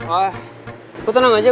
ah lo tenang aja